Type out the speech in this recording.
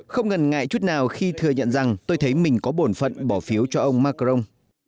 không ngần ngại chút nào khi thừa nhận rằng tôi thấy mình có bổn phận bỏ phiếu cho ông macron